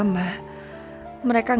selama gak ada bukti yang meringankan mama